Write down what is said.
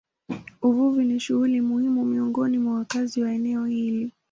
Uvuvi ni shughuli muhimu miongoni mwa wakazi wa eneo hili.